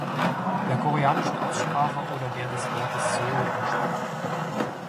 Der koreanischen Aussprache oder der des Wortes "soul" entsprechend.